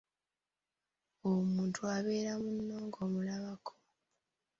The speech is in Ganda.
Omuntu abeera munno ng'omulabako.